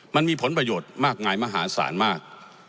มันมีผลประโยชน์มากมายมหาศาลมาก